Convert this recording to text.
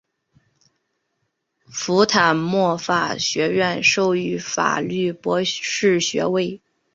福坦莫法学院授予法律博士学位。